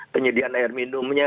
penyediaan air minumnya